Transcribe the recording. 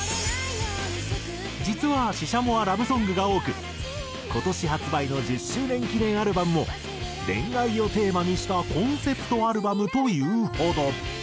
実はＳＨＩＳＨＡＭＯはラブソングが多く今年発売の１０周年記念アルバムも恋愛をテーマにしたコンセプトアルバムというほど。